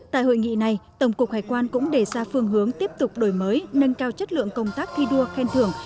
tại hội nghị này tổng cục hải quan cũng đề ra phương hướng tiếp tục đổi mới nâng cao chất lượng công tác thi đua khen thưởng